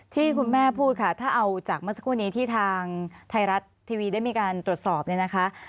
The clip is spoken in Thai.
ที่คุณแม่พูดค่ะถ้าเอาจากเมื่อสักครู่นี้ที่ทางไทยรัฐทีวีได้มีการตรวจสอบเนี่ยนะคะ